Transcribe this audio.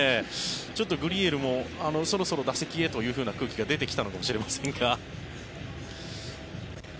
ちょっとグリエルもそろそろ打席へという空気が出てきたのかもしれませんが。